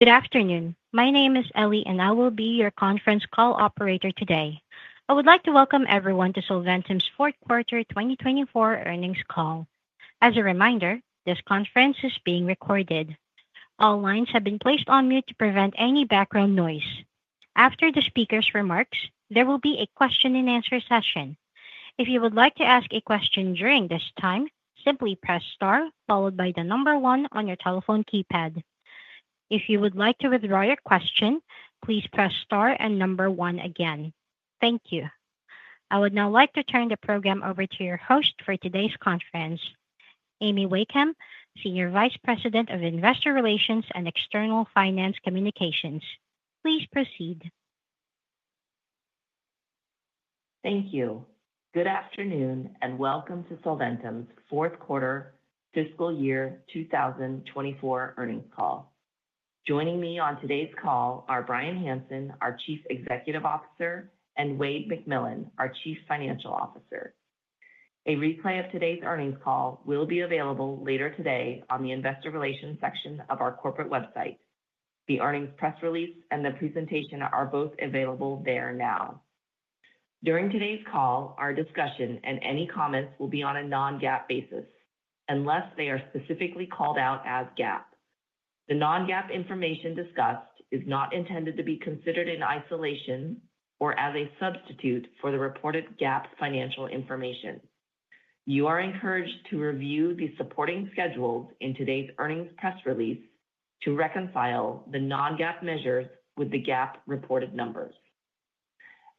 Good afternoon. My name is Ellie, and I will be your conference call operator today. I would like to welcome everyone to Solventum's Fourth Quarter 2024 earnings call. As a reminder, this conference is being recorded. All lines have been placed on mute to prevent any background noise. After the speaker's remarks, there will be a question-and-answer session. If you would like to ask a question during this time, simply press star followed by the number one on your telephone keypad. If you would like to withdraw your question, please press star and number one again. Thank you. I would now like to turn the program over to your host for today's conference, Amy Wakeham, Senior Vice President of Investor Relations and External Finance Communications. Please proceed. Thank you. Good afternoon and welcome to Solventum's Fourth Quarter Fiscal Year 2024 earnings call. Joining me on today's call are Bryan Hanson, our Chief Executive Officer, and Wayde McMillan, our Chief Financial Officer. A replay of today's earnings call will be available later today on the Investor Relations section of our corporate website. The earnings press release and the presentation are both available there now. During today's call, our discussion and any comments will be on a non-GAAP basis unless they are specifically called out as GAAP. The non-GAAP information discussed is not intended to be considered in isolation or as a substitute for the reported GAAP financial information. You are encouraged to review the supporting schedules in today's earnings press release to reconcile the non-GAAP measures with the GAAP reported numbers.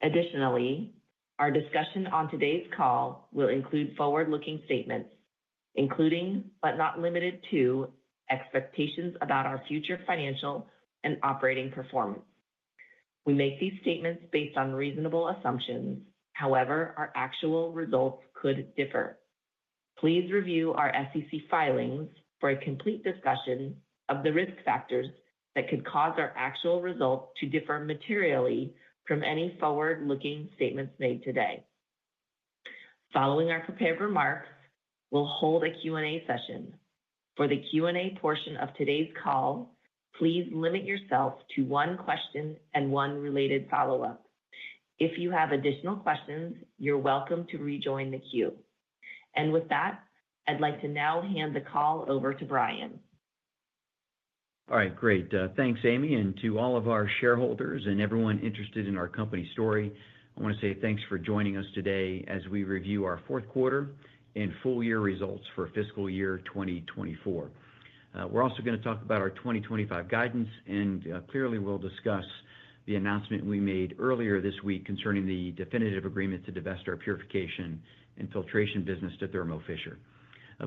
Additionally, our discussion on today's call will include forward-looking statements, including but not limited to expectations about our future financial and operating performance. We make these statements based on reasonable assumptions. However, our actual results could differ. Please review our SEC filings for a complete discussion of the risk factors that could cause our actual results to differ materially from any forward-looking statements made today. Following our prepared remarks, we'll hold a Q&A session. For the Q&A portion of today's call, please limit yourself to one question and one related follow-up. If you have additional questions, you're welcome to rejoin the queue. And with that, I'd like to now hand the call over to Bryan. All right. Great. Thanks, Amy. And to all of our shareholders and everyone interested in our company story, I want to say thanks for joining us today as we review our fourth quarter and full-year results for fiscal year 2024. We're also going to talk about our 2025 guidance, and clearly, we'll discuss the announcement we made earlier this week concerning the definitive agreement to divest our Purification and Filtration business to Thermo Fisher.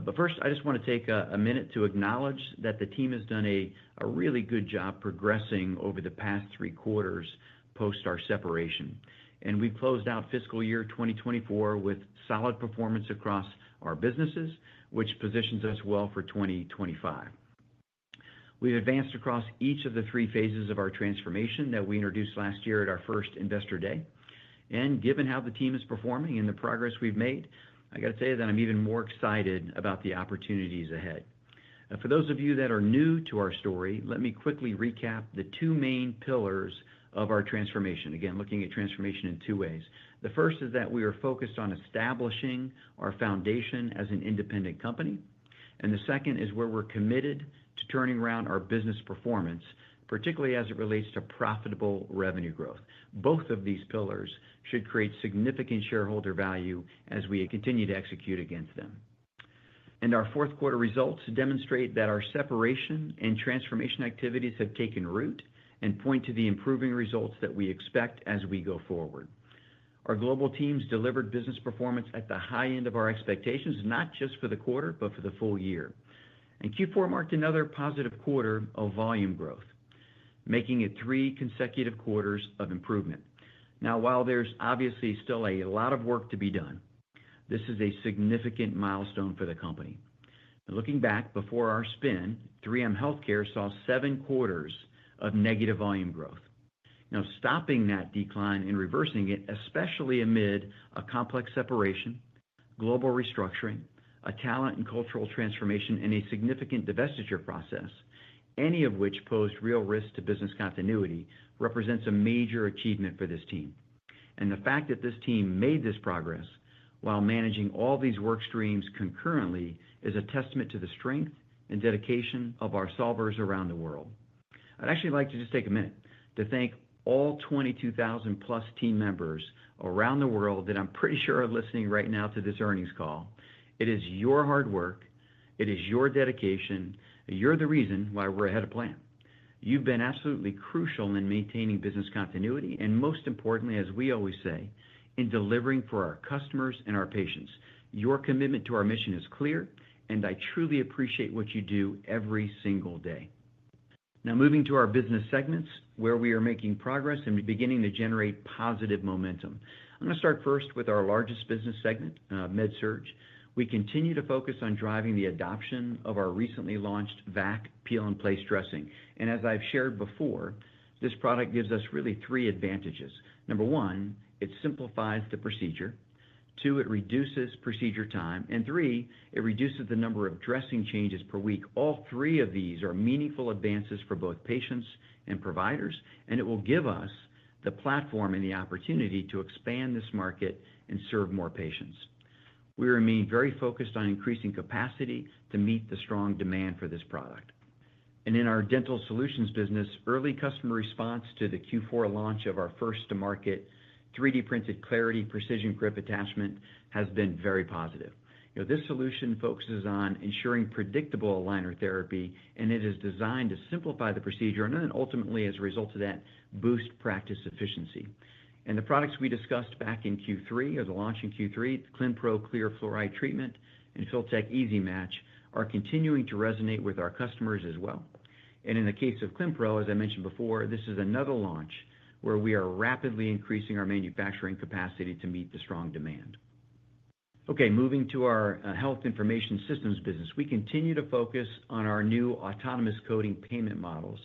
But first, I just want to take a minute to acknowledge that the team has done a really good job progressing over the past three quarters post our separation. And we've closed out fiscal year 2024 with solid performance across our businesses, which positions us well for 2025. We've advanced across each of the three phases of our transformation that we introduced last year at our first Investor Day. And given how the team is performing and the progress we've made, I got to tell you that I'm even more excited about the opportunities ahead. For those of you that are new to our story, let me quickly recap the two main pillars of our transformation, again, looking at transformation in two ways. The first is that we are focused on establishing our foundation as an independent company. And the second is where we're committed to turning around our business performance, particularly as it relates to profitable revenue growth. Both of these pillars should create significant shareholder value as we continue to execute against them. And our fourth quarter results demonstrate that our separation and transformation activities have taken root and point to the improving results that we expect as we go forward. Our global teams delivered business performance at the high end of our expectations, not just for the quarter, but for the full year, and Q4 marked another positive quarter of volume growth, making it three consecutive quarters of improvement. Now, while there's obviously still a lot of work to be done, this is a significant milestone for the company. Looking back, before our spin, 3M Healthcare saw seven quarters of negative volume growth. Now, stopping that decline and reversing it, especially amid a complex separation, global restructuring, a talent and cultural transformation, and a significant divestiture process, any of which posed real risks to business continuity, represents a major achievement for this team, and the fact that this team made this progress while managing all these work streams concurrently is a testament to the strength and dedication of our solvers around the world. I'd actually like to just take a minute to thank all 22,000-plus team members around the world that I'm pretty sure are listening right now to this earnings call. It is your hard work. It is your dedication. You're the reason why we're ahead of plan. You've been absolutely crucial in maintaining business continuity and, most importantly, as we always say, in delivering for our customers and our patients. Your commitment to our mission is clear, and I truly appreciate what you do every single day. Now, moving to our business segments where we are making progress and beginning to generate positive momentum. I'm going to start first with our largest business segment, MedSurg. We continue to focus on driving the adoption of our recently launched V.A.C. Peel and Place dressing. And as I've shared before, this product gives us really three advantages. Number one, it simplifies the procedure. Two, it reduces procedure time. And three, it reduces the number of dressing changes per week. All three of these are meaningful advances for both patients and providers, and it will give us the platform and the opportunity to expand this market and serve more patients. We remain very focused on increasing capacity to meet the strong demand for this product. And in our Dental Solutions business, early customer response to the Q4 launch of our first-to-market 3D-printed Clarity Precision Grip attachment has been very positive. This solution focuses on ensuring predictable aligner therapy, and it is designed to simplify the procedure and then, ultimately, as a result of that, boost practice efficiency. And the products we discussed back in Q3, or the launch in Q3, Clinpro Clear Fluoride Treatment and Filtek Easy Match are continuing to resonate with our customers as well. In the case of Clinpro, as I mentioned before, this is another launch where we are rapidly increasing our manufacturing capacity to meet the strong demand. Okay. Moving to our Health Information Systems business, we continue to focus on our new autonomous coding payment models.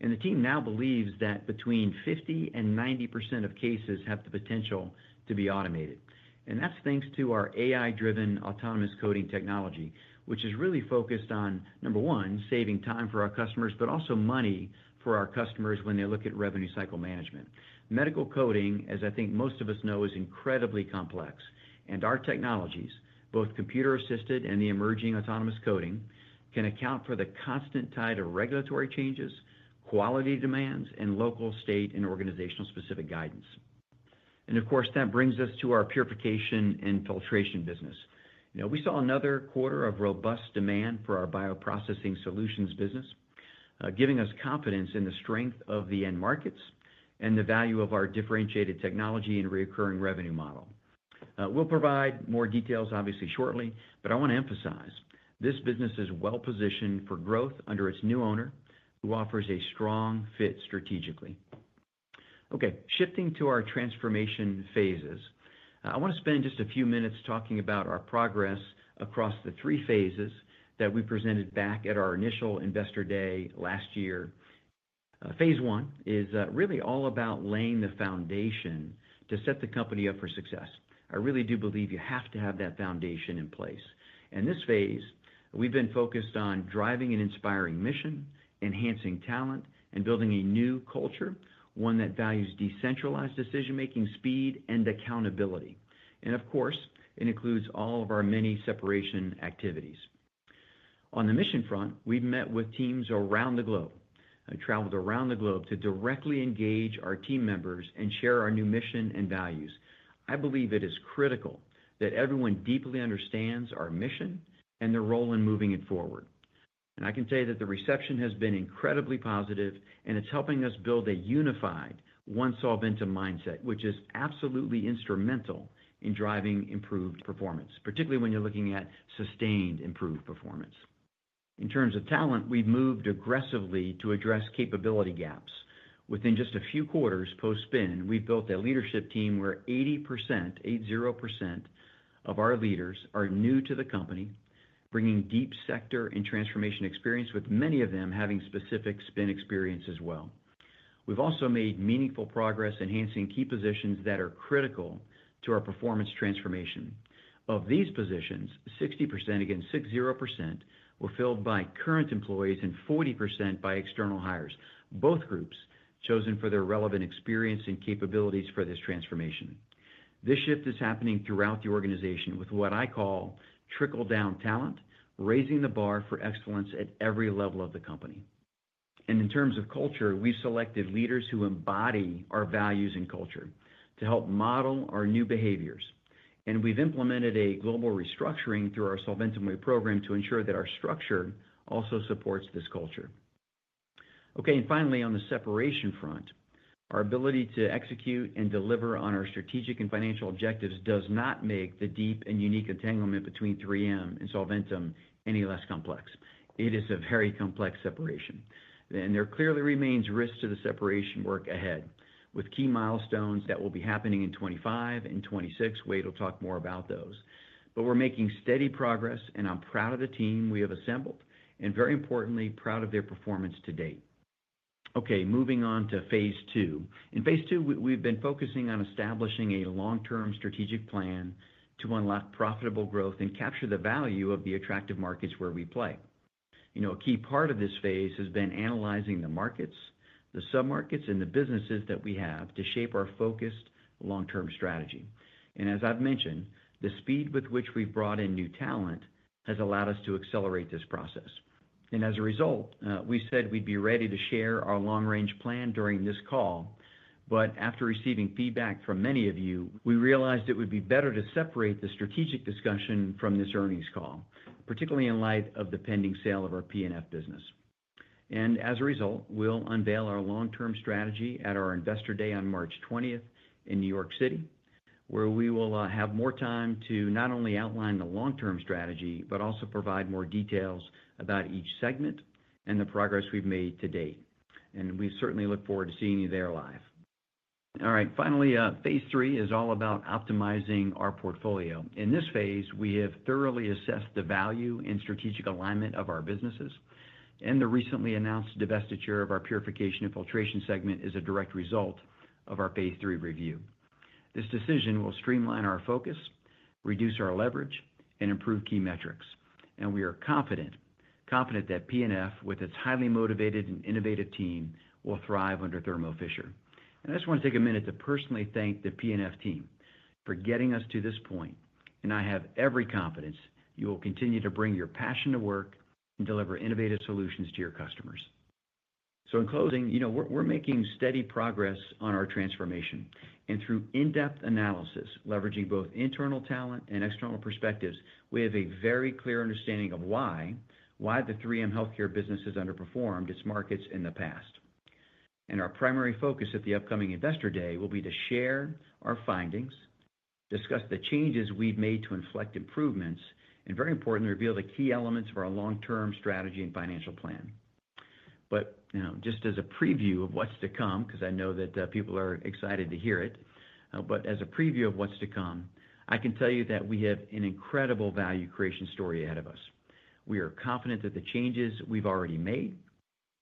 The team now believes that between 50% and 90% of cases have the potential to be automated. That's thanks to our AI-driven autonomous coding technology, which is really focused on, number one, saving time for our customers, but also money for our customers when they look at revenue cycle management. Medical coding, as I think most of us know, is incredibly complex. Our technologies, both computer-assisted and the emerging autonomous coding, can account for the constant tide of regulatory changes, quality demands, and local, state, and organizational-specific guidance. Of course, that brings us to our Purification and Filtration business. We saw another quarter of robust demand for our bioprocessing solutions business, giving us confidence in the strength of the end markets and the value of our differentiated technology and recurring revenue model. We'll provide more details, obviously, shortly, but I want to emphasize this business is well-positioned for growth under its new owner, who offers a strong fit strategically. Okay. Shifting to our transformation phases, I want to spend just a few minutes talking about our progress across the three phases that we presented back at our initial Investor Day last year. Phase I is really all about laying the foundation to set the company up for success. I really do believe you have to have that foundation in place. In this phase, we've been focused on driving an inspiring mission, enhancing talent, and building a new culture, one that values decentralized decision-making, speed, and accountability. And of course, it includes all of our many separation activities. On the mission front, we've met with teams around the globe and traveled around the globe to directly engage our team members and share our new mission and values. I believe it is critical that everyone deeply understands our mission and their role in moving it forward. And I can tell you that the reception has been incredibly positive, and it's helping us build a unified, one Solventum mindset, which is absolutely instrumental in driving improved performance, particularly when you're looking at sustained improved performance. In terms of talent, we've moved aggressively to address capability gaps. Within just a few quarters post-spin, we've built a leadership team where 80%, 80% of our leaders are new to the company, bringing deep sector and transformation experience, with many of them having specific spin experience as well. We've also made meaningful progress enhancing key positions that are critical to our performance transformation. Of these positions, 60%, again, 60%, were filled by current employees and 40% by external hires, both groups chosen for their relevant experience and capabilities for this transformation. This shift is happening throughout the organization with what I call trickle-down talent, raising the bar for excellence at every level of the company. And in terms of culture, we've selected leaders who embody our values and culture to help model our new behaviors. And we've implemented a global restructuring through our Solventum Way program to ensure that our structure also supports this culture. Okay. And finally, on the separation front, our ability to execute and deliver on our strategic and financial objectives does not make the deep and unique entanglement between 3M and Solventum any less complex. It is a very complex separation. And there clearly remains risks to the separation work ahead with key milestones that will be happening in 2025 and 2026. Wayde will talk more about those. But we're making steady progress, and I'm proud of the team we have assembled and, very importantly, proud of their performance to date. Okay. Moving on to Phase II. In Phase II, we've been focusing on establishing a long-term strategic plan to unlock profitable growth and capture the value of the attractive markets where we play. A key part of this phase has been analyzing the markets, the sub-markets, and the businesses that we have to shape our focused long-term strategy. And as I've mentioned, the speed with which we've brought in new talent has allowed us to accelerate this process. And as a result, we said we'd be ready to share our long-range plan during this call. But after receiving feedback from many of you, we realized it would be better to separate the strategic discussion from this earnings call, particularly in light of the pending sale of our P&F business. And as a result, we'll unveil our long-term strategy at our Investor Day on March 20th in New York City, where we will have more time to not only outline the long-term strategy but also provide more details about each segment and the progress we've made to date. And we certainly look forward to seeing you there live. All right. Finally, Phase III is all about optimizing our portfolio. In this phase, we have thoroughly assessed the value and strategic alignment of our businesses. And the recently announced divestiture of our Purification and Filtration segment is a direct result of our Phase III review. This decision will streamline our focus, reduce our leverage, and improve key metrics. And we are confident, confident that P&F, with its highly motivated and innovative team, will thrive under Thermo Fisher. And I just want to take a minute to personally thank the P&F team for getting us to this point. And I have every confidence you will continue to bring your passion to work and deliver innovative solutions to your customers. So in closing, we're making steady progress on our transformation. And through in-depth analysis, leveraging both internal talent and external perspectives, we have a very clear understanding of why the 3M Healthcare business has underperformed its markets in the past. And our primary focus at the upcoming Investor Day will be to share our findings, discuss the changes we've made to inflect improvements, and, very importantly, reveal the key elements of our long-term strategy and financial plan. But just as a preview of what's to come, because I know that people are excited to hear it, but as a preview of what's to come, I can tell you that we have an incredible value creation story ahead of us. We are confident that the changes we've already made,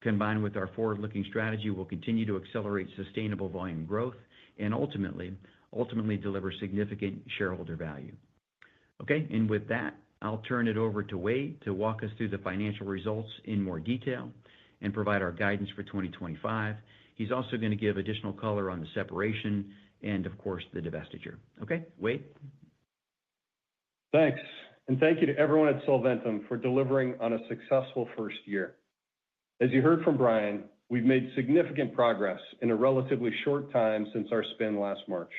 combined with our forward-looking strategy, will continue to accelerate sustainable volume growth and, ultimately, deliver significant shareholder value. Okay. And with that, I'll turn it over to Wayde to walk us through the financial results in more detail and provide our guidance for 2025. He's also going to give additional color on the separation and, of course, the divestiture. Okay. Wayde. Thanks. And thank you to everyone at Solventum for delivering on a successful first year. As you heard from Bryan, we've made significant progress in a relatively short time since our spin last March.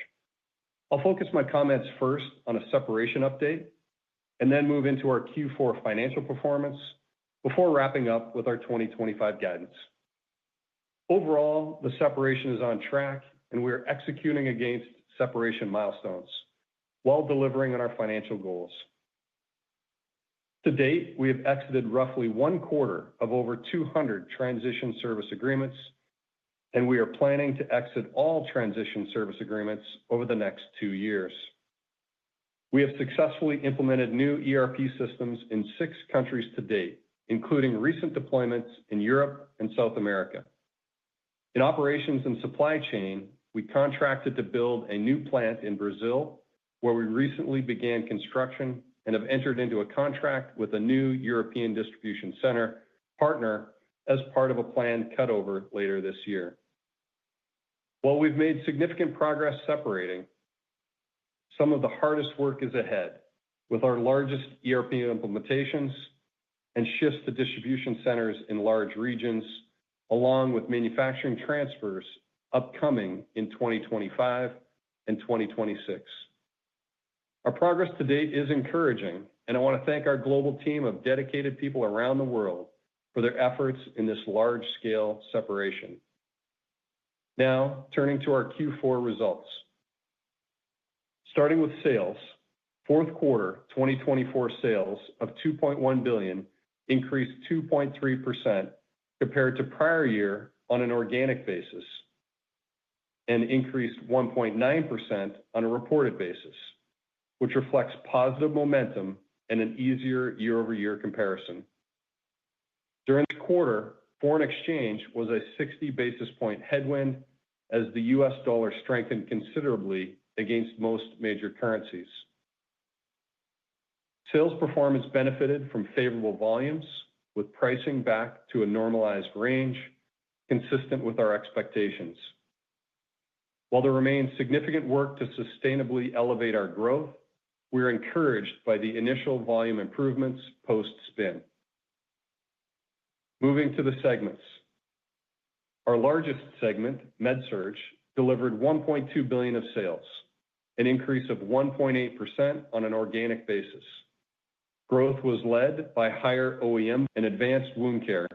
I'll focus my comments first on a separation update and then move into our Q4 financial performance before wrapping up with our 2025 guidance. Overall, the separation is on track, and we are executing against separation milestones while delivering on our financial goals. To date, we have exited roughly one quarter of over 200 transition service agreements, and we are planning to exit all transition service agreements over the next two years. We have successfully implemented new ERP systems in six countries to date, including recent deployments in Europe and South America. In operations and supply chain, we contracted to build a new plant in Brazil where we recently began construction and have entered into a contract with a new European distribution center partner as part of a planned cutover later this year. While we've made significant progress separating, some of the hardest work is ahead with our largest ERP implementations and shifts to distribution centers in large regions, along with manufacturing transfers upcoming in 2025 and 2026. Our progress to date is encouraging, and I want to thank our global team of dedicated people around the world for their efforts in this large-scale separation. Now, turning to our Q4 results. Starting with sales, fourth quarter 2024 sales of $2.1 billion increased 2.3% compared to prior year on an organic basis and increased 1.9% on a reported basis, which reflects positive momentum and an easier year-over-year comparison. During the quarter, foreign exchange was a 60 basis point headwind as the U.S. dollar strengthened considerably against most major currencies. Sales performance benefited from favorable volumes, with pricing back to a normalized range consistent with our expectations. While there remains significant work to sustainably elevate our growth, we are encouraged by the initial volume improvements post-spin. Moving to the segments. Our largest segment, MedSurg, delivered $1.2 billion of sales, an increase of 1.8% on an organic basis. Growth was led by higher OEM and advanced wound care.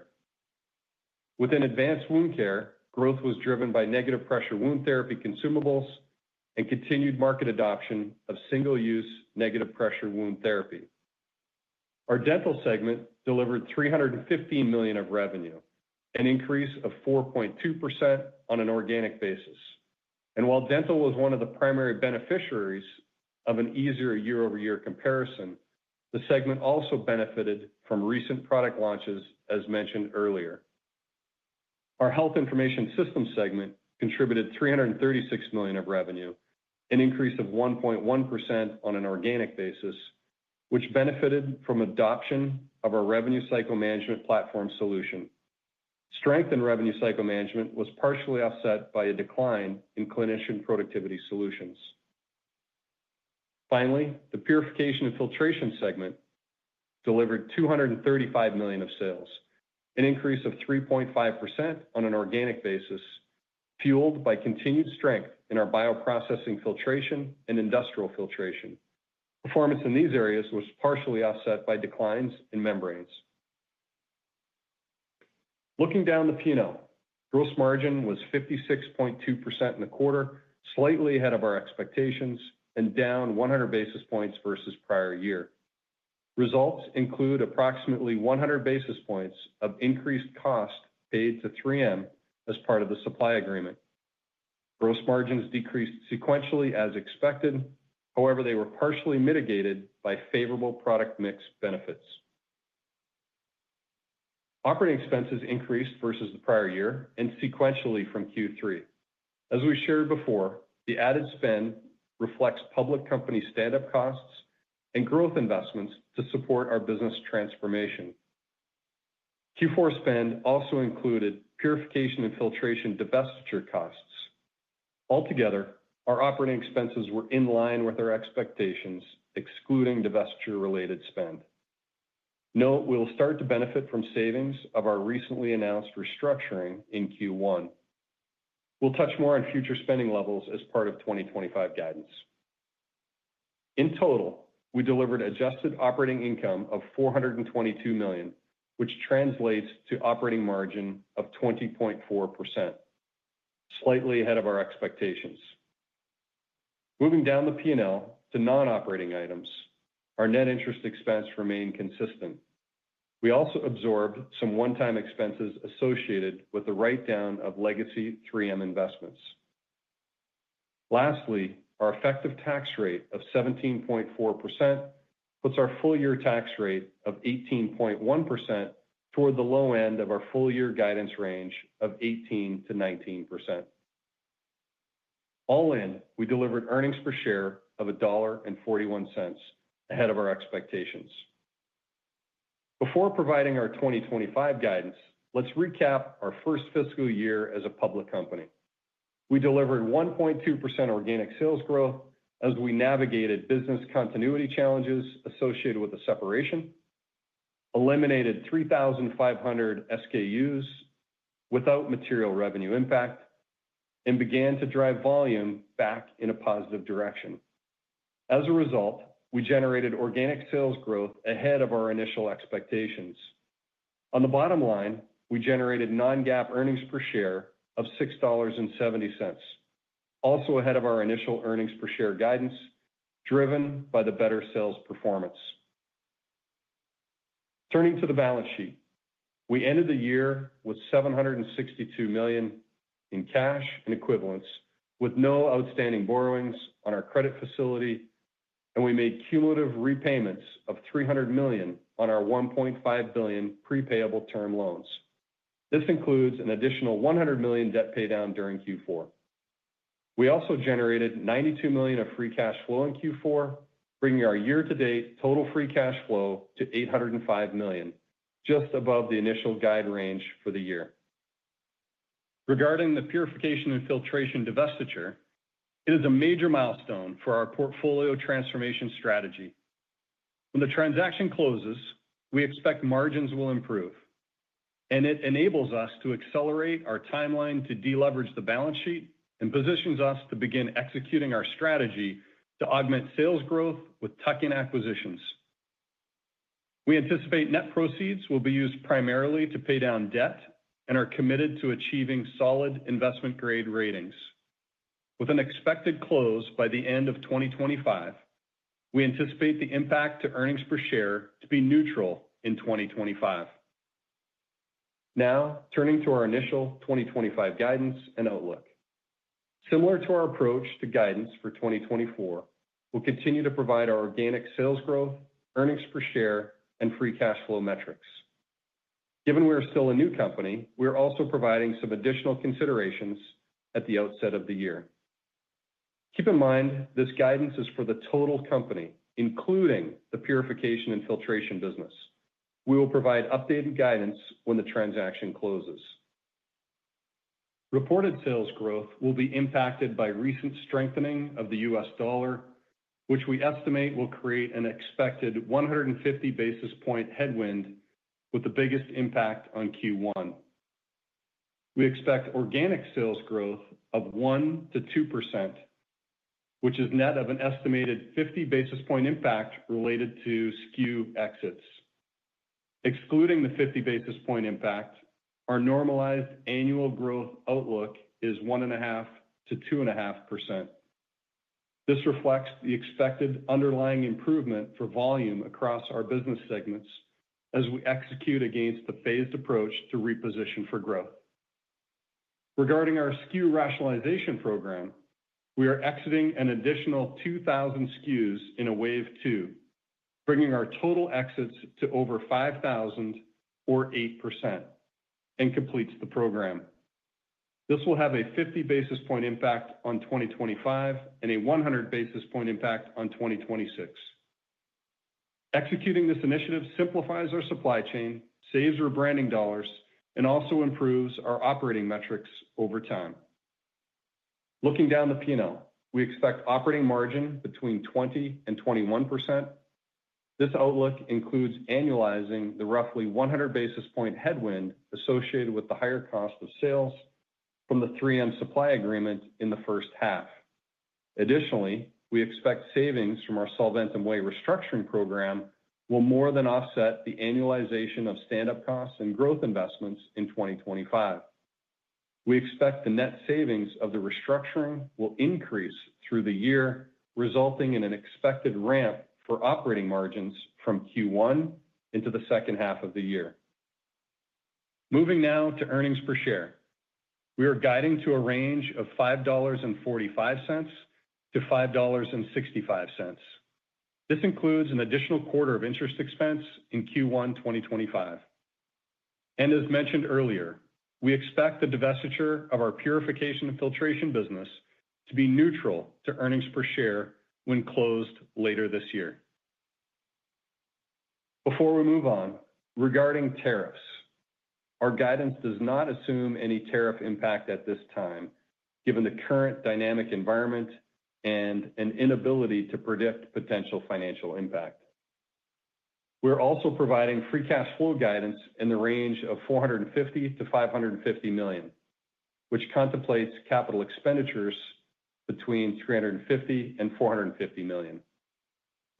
Within advanced wound care, growth was driven by negative pressure wound therapy consumables and continued market adoption of single-use negative pressure wound therapy. Our Dental segment delivered $315 million of revenue, an increase of 4.2% on an organic basis. And while Dental was one of the primary beneficiaries of an easier year-over-year comparison, the segment also benefited from recent product launches, as mentioned earlier. Our Health Information Systems segment contributed $336 million of revenue, an increase of 1.1% on an organic basis, which benefited from adoption of our revenue cycle management platform solution. Strength in revenue cycle management was partially offset by a decline in clinician productivity solutions. Finally, the Purification and Filtration segment delivered $235 million of sales, an increase of 3.5% on an organic basis, fueled by continued strength in our bioprocessing filtration and industrial filtration. Performance in these areas was partially offset by declines in membranes. Looking down the P&L, gross margin was 56.2% in the quarter, slightly ahead of our expectations and down 100 basis points versus prior year. Results include approximately 100 basis points of increased cost paid to 3M as part of the supply agreement. Gross margins decreased sequentially as expected. However, they were partially mitigated by favorable product mix benefits. Operating expenses increased versus the prior year and sequentially from Q3. As we shared before, the added spend reflects public company stand-up costs and growth investments to support our business transformation. Q4 spend also included Purification and Filtration divestiture costs. Altogether, our operating expenses were in line with our expectations, excluding divestiture-related spend. Note we'll start to benefit from savings of our recently announced restructuring in Q1. We'll touch more on future spending levels as part of 2025 guidance. In total, we delivered adjusted operating income of $422 million, which translates to operating margin of 20.4%, slightly ahead of our expectations. Moving down the P&L to non-operating items, our net interest expense remained consistent. We also absorbed some one-time expenses associated with the write-down of legacy 3M investments. Lastly, our effective tax rate of 17.4% puts our full-year tax rate of 18.1% toward the low end of our full-year guidance range of 18%-19%. All in, we delivered earnings per share of $1.41 ahead of our expectations. Before providing our 2025 guidance, let's recap our first fiscal year as a public company. We delivered 1.2% organic sales growth as we navigated business continuity challenges associated with the separation, eliminated 3,500 SKUs without material revenue impact, and began to drive volume back in a positive direction. As a result, we generated organic sales growth ahead of our initial expectations. On the bottom line, we generated non-GAAP earnings per share of $6.70, also ahead of our initial earnings per share guidance driven by the better sales performance. Turning to the balance sheet, we ended the year with $762 million in cash and equivalents, with no outstanding borrowings on our credit facility, and we made cumulative repayments of $300 million on our $1.5 billion prepayable term loans. This includes an additional $100 million debt paydown during Q4. We also generated $92 million of free cash flow in Q4, bringing our year-to-date total free cash flow to $805 million, just above the initial guide range for the year. Regarding the Purification and Filtration divestiture, it is a major milestone for our portfolio transformation strategy. When the transaction closes, we expect margins will improve, and it enables us to accelerate our timeline to deleverage the balance sheet and positions us to begin executing our strategy to augment sales growth with tuck-in acquisitions. We anticipate net proceeds will be used primarily to pay down debt and are committed to achieving solid investment-grade ratings. With an expected close by the end of 2025, we anticipate the impact to earnings per share to be neutral in 2025. Now, turning to our initial 2025 guidance and outlook. Similar to our approach to guidance for 2024, we'll continue to provide our organic sales growth, earnings per share, and free cash flow metrics. Given we are still a new company, we are also providing some additional considerations at the outset of the year. Keep in mind this guidance is for the total company, including the Purification and Filtration business. We will provide updated guidance when the transaction closes. Reported sales growth will be impacted by recent strengthening of the U.S. dollar, which we estimate will create an expected 150 basis point headwind, with the biggest impact on Q1. We expect organic sales growth of 1%-2%, which is net of an estimated 50 basis point impact related to SKU exits. Excluding the 50 basis point impact, our normalized annual growth outlook is 1.5%-2.5%. This reflects the expected underlying improvement for volume across our business segments as we execute against the phased approach to reposition for growth. Regarding our SKU rationalization program, we are exiting an additional 2,000 SKUs in a wave two, bringing our total exits to over 5,000 or 8%, and completes the program. This will have a 50 basis point impact on 2025 and a 100 basis point impact on 2026. Executing this initiative simplifies our supply chain, saves rebranding dollars, and also improves our operating metrics over time. Looking down the P&L, we expect operating margin between 20 and 21%. This outlook includes annualizing the roughly 100 basis point headwind associated with the higher cost of sales from the 3M supply agreement in the first half. Additionally, we expect savings from our Solventum Way restructuring program will more than offset the annualization of stand-up costs and growth investments in 2025. We expect the net savings of the restructuring will increase through the year, resulting in an expected ramp for operating margins from Q1 into the second half of the year. Moving now to earnings per share. We are guiding to a range of $5.45-$5.65. This includes an additional quarter of interest expense in Q1 2025, and as mentioned earlier, we expect the divestiture of our Purification and Filtration business to be neutral to earnings per share when closed later this year. Before we move on, regarding tariffs, our guidance does not assume any tariff impact at this time, given the current dynamic environment and an inability to predict potential financial impact. We're also providing free cash flow guidance in the range of $450 million-$550 million, which contemplates capital expenditures between $350 million and $450 million,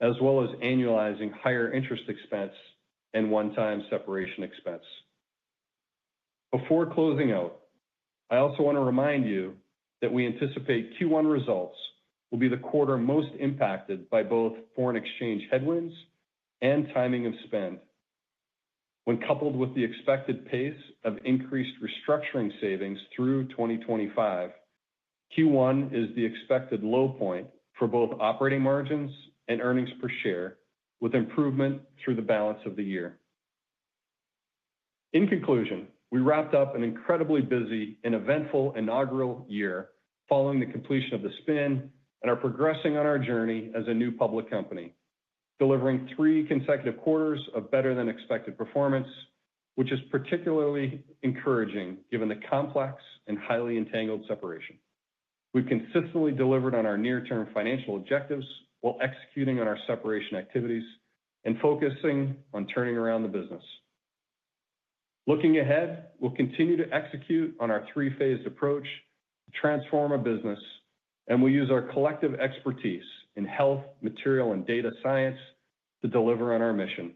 as well as annualizing higher interest expense and one-time separation expense. Before closing out, I also want to remind you that we anticipate Q1 results will be the quarter most impacted by both foreign exchange headwinds and timing of spend. When coupled with the expected pace of increased restructuring savings through 2025, Q1 is the expected low point for both operating margins and earnings per share, with improvement through the balance of the year. In conclusion, we wrapped up an incredibly busy and eventful inaugural year following the completion of the spin and are progressing on our journey as a new public company, delivering three consecutive quarters of better-than-expected performance, which is particularly encouraging given the complex and highly entangled separation. We've consistently delivered on our near-term financial objectives while executing on our separation activities and focusing on turning around the business. Looking ahead, we'll continue to execute on our three-phased approach to transform a business, and we use our collective expertise in health, material, and data science to deliver on our mission.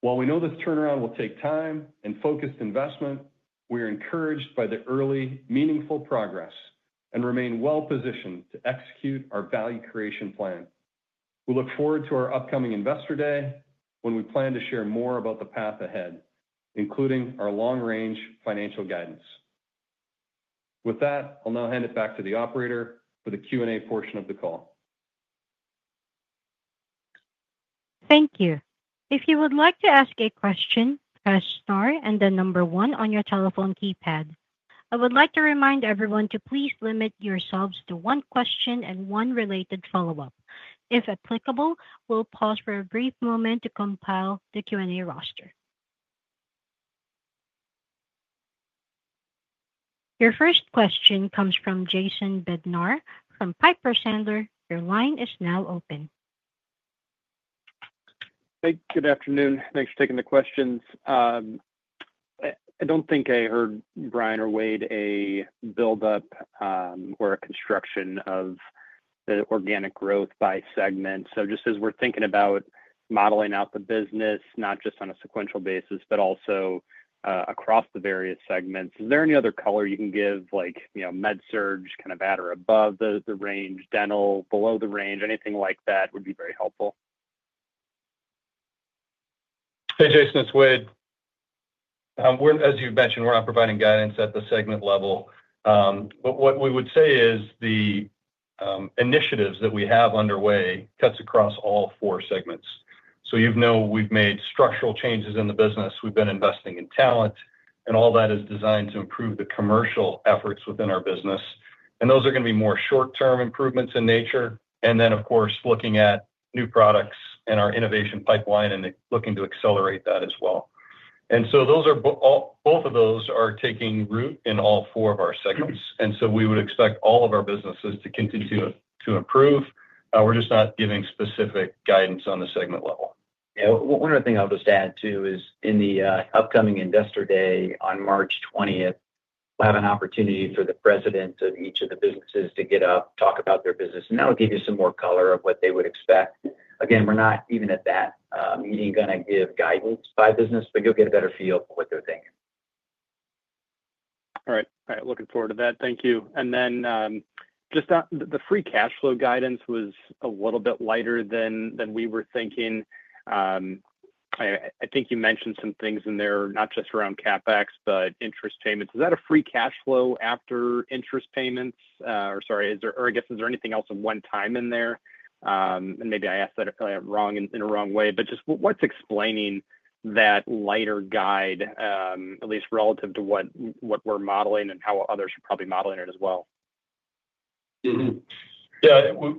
While we know this turnaround will take time and focused investment, we are encouraged by the early meaningful progress and remain well-positioned to execute our value creation plan. We look forward to our upcoming Investor Day when we plan to share more about the path ahead, including our long-range financial guidance. With that, I'll now hand it back to the operator for the Q&A portion of the call. Thank you. If you would like to ask a question, press star and the number one on your telephone keypad. I would like to remind everyone to please limit yourselves to one question and one related follow-up. If applicable, we'll pause for a brief moment to compile the Q&A roster. Your first question comes from Jason Bednar from Piper Sandler. Your line is now open. Thank you. Good afternoon. Thanks for taking the questions. I don't think I heard Bryan or Wayde a build-up or a construction of the organic growth by segment. So just as we're thinking about modeling out the business, not just on a sequential basis, but also across the various segments, is there any other color you can give, like MedSurg, kind of at or above the range, Dental, below the range, anything like that would be very helpful. Hey, Jason, it's Wayde. As you've mentioned, we're not providing guidance at the segment level. But what we would say is the initiatives that we have underway cuts across all four segments. So you know we've made structural changes in the business. We've been investing in talent, and all that is designed to improve the commercial efforts within our business. And those are going to be more short-term improvements in nature. And then, of course, looking at new products and our innovation pipeline and looking to accelerate that as well. And so both of those are taking root in all four of our segments. And so we would expect all of our businesses to continue to improve. We're just not giving specific guidance on the segment level. Yeah. One other thing I'll just add too is in the upcoming Investor Day on March 20th, we'll have an opportunity for the presidents of each of the businesses to get up, talk about their business, and that'll give you some more color of what they would expect. Again, we're not even at that meeting going to give guidance by business, but you'll get a better feel for what they're thinking. All right. All right. Looking forward to that. Thank you. And then just the free cash flow guidance was a little bit lighter than we were thinking. I think you mentioned some things in there, not just around CapEx, but interest payments. Is that a free cash flow after interest payments? Or sorry, or I guess is there anything else of one-time in there? And maybe I asked that wrong in a wrong way, but just what's explaining that lighter guide, at least relative to what we're modeling and how others are probably modeling it as well? Yeah.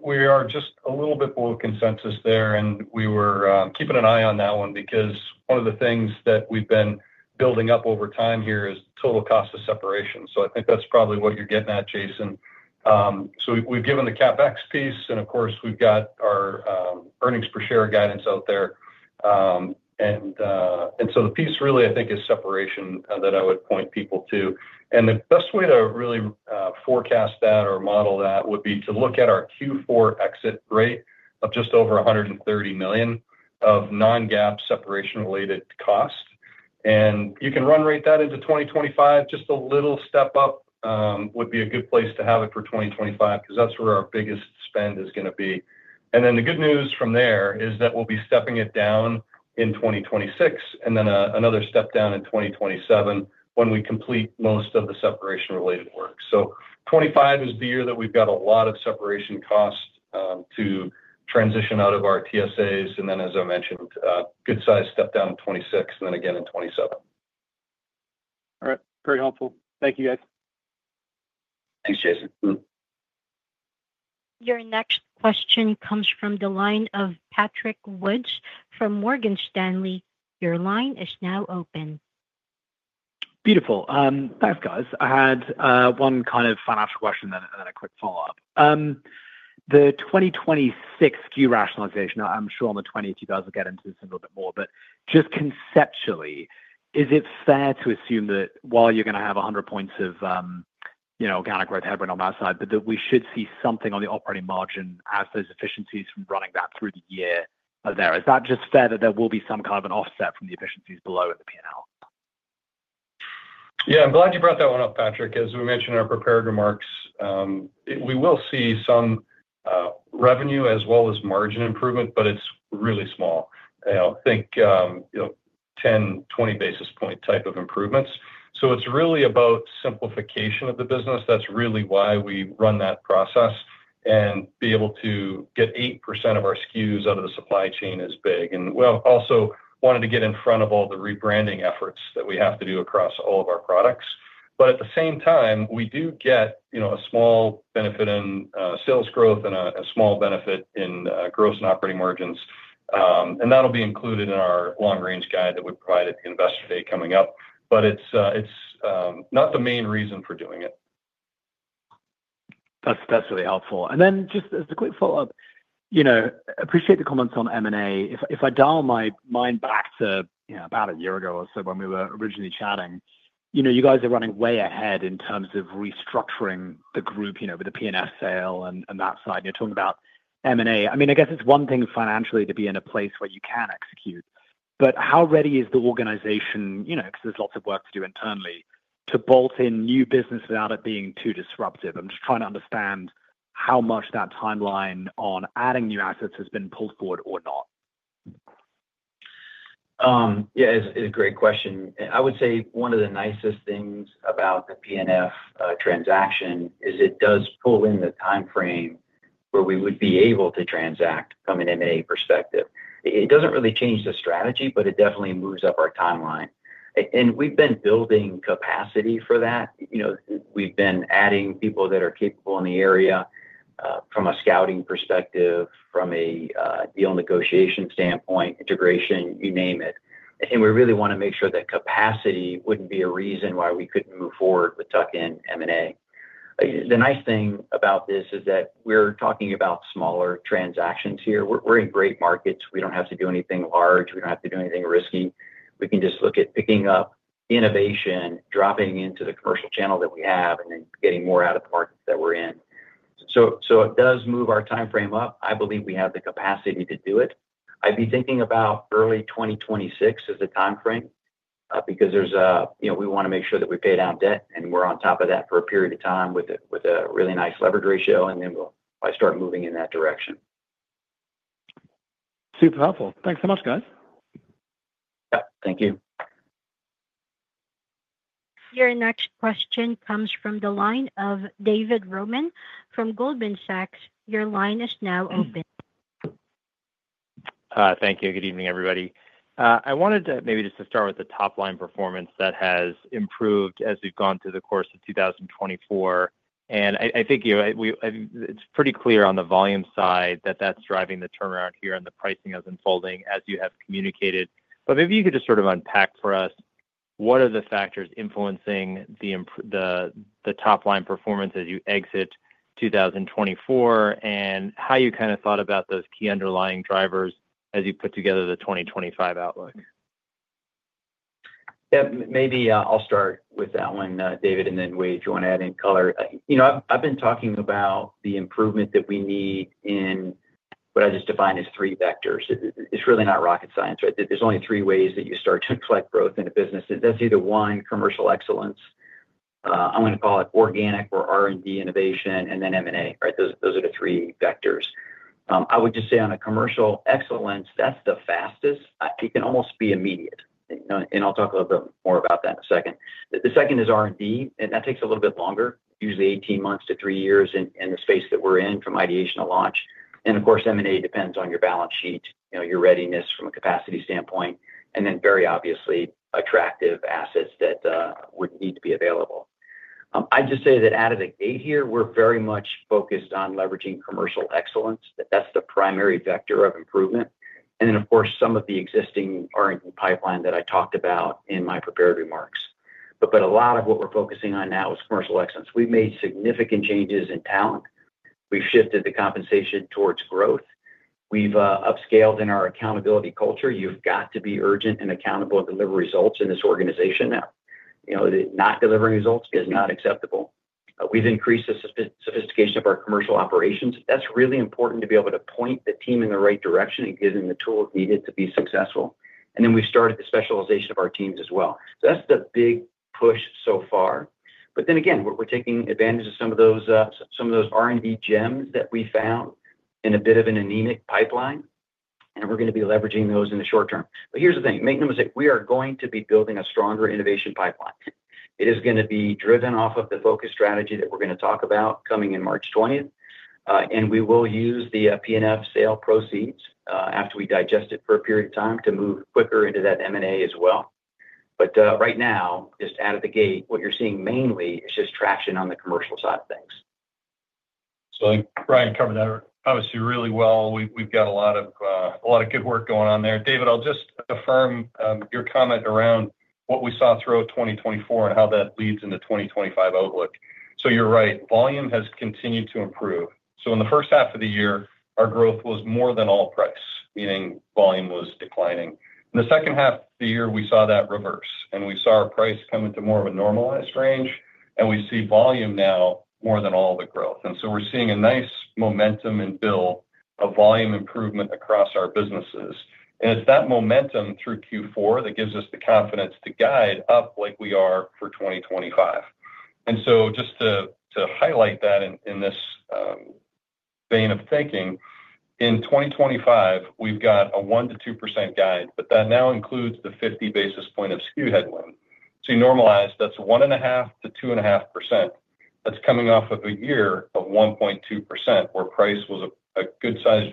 We are just a little bit below consensus there, and we were keeping an eye on that one because one of the things that we've been building up over time here is total cost of separation. So I think that's probably what you're getting at, Jason. So we've given the CapEx piece, and of course, we've got our earnings per share guidance out there. And so the piece really, I think, is separation that I would point people to. And the best way to really forecast that or model that would be to look at our Q4 exit rate of just over $130 million of non-GAAP separation-related cost. And you can run rate that into 2025. Just a little step up would be a good place to have it for 2025 because that's where our biggest spend is going to be. And then the good news from there is that we'll be stepping it down in 2026 and then another step down in 2027 when we complete most of the separation-related work. So 2025 is the year that we've got a lot of separation cost to transition out of our TSAs. And then, as I mentioned, good size step down in 2026 and then again in 2027. All right. Very helpful. Thank you, guys. Thanks, Jason. Your next question comes from the line of Patrick Wood from Morgan Stanley. Your line is now open. Beautiful. Thanks, guys. I had one kind of financial question and then a quick follow-up. The 2026 SKU rationalization, I'm sure on the 20th you guys will get into this a little bit more, but just conceptually, is it fair to assume that while you're going to have 100 points of organic growth headwind on that side, but that we should see something on the operating margin as those efficiencies from running that through the year are there? Is that just fair that there will be some kind of an offset from the efficiencies below in the P&L? Yeah. I'm glad you brought that one up, Patrick, as we mentioned in our prepared remarks. We will see some revenue as well as margin improvement, but it's really small. I think 10, 20 basis point type of improvements. So it's really about simplification of the business. That's really why we run that process and be able to get 8% of our SKUs out of the supply chain is big. And we also wanted to get in front of all the rebranding efforts that we have to do across all of our products. But at the same time, we do get a small benefit in sales growth and a small benefit in gross and operating margins. And that'll be included in our long-range guide that we provide at the Investor Day coming up. But it's not the main reason for doing it. That's really helpful. And then just as a quick follow-up, appreciate the comments on M&A. If I dial my mind back to about a year ago or so when we were originally chatting, you guys are running way ahead in terms of restructuring the group with the P&F sale and that side. You're talking about M&A. I mean, I guess it's one thing financially to be in a place where you can execute. But how ready is the organization, because there's lots of work to do internally, to bolt in new business without it being too disruptive? I'm just trying to understand how much that timeline on adding new assets has been pulled forward or not. Yeah, it's a great question. I would say one of the nicest things about the P&F transaction is it does pull in the timeframe where we would be able to transact from an M&A perspective. It doesn't really change the strategy, but it definitely moves up our timeline. And we've been building capacity for that. We've been adding people that are capable in the area from a scouting perspective, from a deal negotiation standpoint, integration, you name it. And we really want to make sure that capacity wouldn't be a reason why we couldn't move forward with tuck-in M&A. The nice thing about this is that we're talking about smaller transactions here. We're in great markets. We don't have to do anything large. We don't have to do anything risky. We can just look at picking up innovation, dropping into the commercial channel that we have, and then getting more out of the market that we're in. So it does move our timeframe up. I believe we have the capacity to do it. I'd be thinking about early 2026 as a timeframe because we want to make sure that we pay down debt and we're on top of that for a period of time with a really nice leverage ratio, and then we'll probably start moving in that direction. Super helpful. Thanks so much, guys. Yep. Thank you. Your next question comes from the line of David Roman from Goldman Sachs. Your line is now open. Thank you. Good evening, everybody. I wanted to maybe just start with the top-line performance that has improved as we've gone through the course of 2024. And I think it's pretty clear on the volume side that that's driving the turnaround here and the pricing is unfolding as you have communicated. But maybe you could just sort of unpack for us what are the factors influencing the top-line performance as you exit 2024 and how you kind of thought about those key underlying drivers as you put together the 2025 outlook. Yep. Maybe I'll start with that one, David, and then Wayde, if you want to add in color. I've been talking about the improvement that we need in what I just defined as three vectors. It's really not rocket science, right? There's only three ways that you start to inflect growth in a business. That's either one, commercial excellence. I'm going to call it organic or R&D innovation, and then M&A, right? Those are the three vectors. I would just say on a commercial excellence, that's the fastest. It can almost be immediate. And I'll talk a little bit more about that in a second. The second is R&D, and that takes a little bit longer, usually 18 months to three years in the space that we're in from ideation to launch. And of course, M&A depends on your balance sheet, your readiness from a capacity standpoint, and then very obviously attractive assets that would need to be available. I'd just say that out of the gate here, we're very much focused on leveraging commercial excellence. That's the primary vector of improvement. And then, of course, some of the existing R&D pipeline that I talked about in my prepared remarks. But a lot of what we're focusing on now is commercial excellence. We've made significant changes in talent. We've shifted the compensation towards growth. We've upscaled in our accountability culture. You've got to be urgent and accountable and deliver results in this organization. Not delivering results is not acceptable. We've increased the sophistication of our commercial operations. That's really important to be able to point the team in the right direction and give them the tools needed to be successful. And then we've started the specialization of our teams as well. So that's the big push so far. But then again, we're taking advantage of some of those R&D gems that we found in a bit of an anemic pipeline, and we're going to be leveraging those in the short term. But here's the thing. Make no mistake. We are going to be building a stronger innovation pipeline. It is going to be driven off of the focus strategy that we're going to talk about coming in March 20th. And we will use the P&F sale proceeds after we digest it for a period of time to move quicker into that M&A as well. But right now, just out of the gate, what you're seeing mainly is just traction on the commercial side of things. So Bryan covered that obviously really well. We've got a lot of good work going on there. David, I'll just affirm your comment around what we saw throughout 2024 and how that leads into 2025 outlook. So you're right. Volume has continued to improve. So in the first half of the year, our growth was more than all price, meaning volume was declining. In the second half of the year, we saw that reverse, and we saw our price come into more of a normalized range, and we see volume now more than all the growth, and so we're seeing a nice momentum and build of volume improvement across our businesses, and it's that momentum through Q4 that gives us the confidence to guide up like we are for 2025, and so just to highlight that in this vein of thinking, in 2025, we've got a 1%-2% guide, but that now includes the 50 basis points of SKU headwind, so you normalize, that's 1.5%-2.5%, that's coming off of a year of 1.2% where price was a good size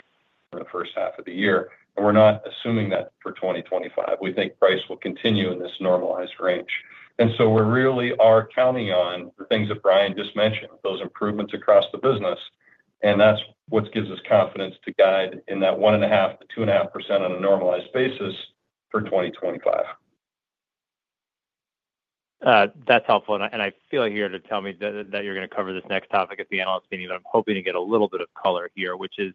for the first half of the year, and we're not assuming that for 2025. We think price will continue in this normalized range. And so we really are counting on the things that Bryan just mentioned, those improvements across the business. And that's what gives us confidence to guide in that 1.5%-2.5% on a normalized basis for 2025. That's helpful. And I feel you're here to tell me that you're going to cover this next topic at the analyst meeting, but I'm hoping to get a little bit of color here, which is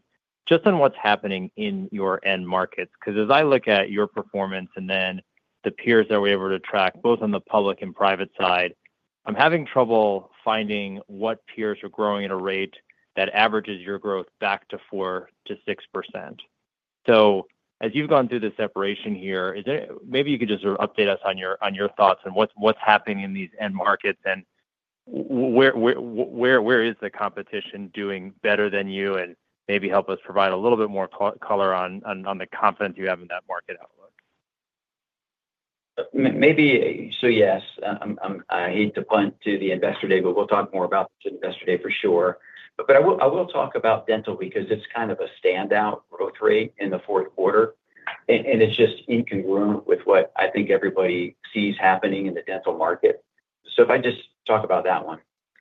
just on what's happening in your end markets. Because as I look at your performance and then the peers that we're able to track both on the public and private side, I'm having trouble finding what peers are growing at a rate that averages your growth back to 4%-6%. As you've gone through the separation here, maybe you could just update us on your thoughts and what's happening in these end markets and where is the competition doing better than you and maybe help us provide a little bit more color on the confidence you have in that market outlook. Yes, I hate to punt to the Investor Day, but we'll talk more about the Investor Day for sure. I will talk about Dental because it's kind of a standout growth rate in the fourth quarter. It's just incongruent with what I think everybody sees happening in the Dental market. If I just talk about that one,